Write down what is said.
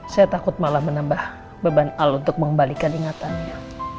saya takut malah menambah beban allah untuk mengembalikan ingatannya